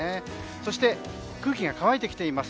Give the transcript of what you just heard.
そして空気が乾いてきています。